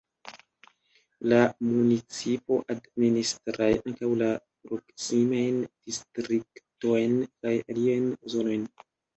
La municipo administras ankaŭ la proksimajn distriktojn kaj aliajn zonojn.